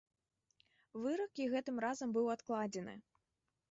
Вырак і гэтым разам быў адкладзены.